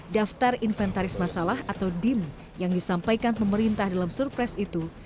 daftar inventaris masalah atau dim yang disampaikan pemerintah dalam surprise itu